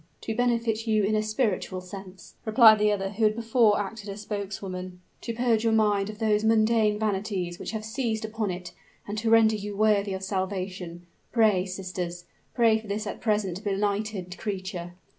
"To benefit you in a spiritual sense," replied the one who had before acted as spokeswoman: "to purge your mind of those mundane vanities which have seized upon it, and to render you worthy of salvation. Pray, sisters pray for this at present benighted creature!"